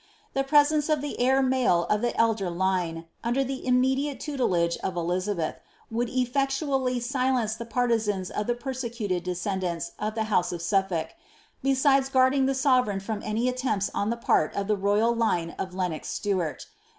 The presence of the heir male of the elder line, under the immediate tutelage of Elizabeth, would efTectually Mience the partizans of the persecuted descendants of the house of Suf ii'lk. besides guarding the sovereign from any attempts on the part of ihe royal line of Lenox Stuart.